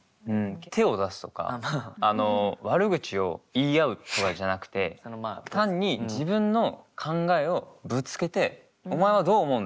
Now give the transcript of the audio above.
手を出すとかあの悪口を言い合うとかじゃなくて単に自分の考えをぶつけて「お前はどう思うんだよ？」